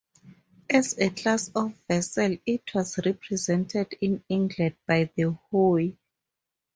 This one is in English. As a class of vessel, it was represented in England by the hoy.